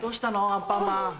アンパンマン。